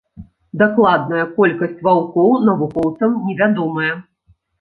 Дакладная колькасць ваўкоў навукоўцам невядомая.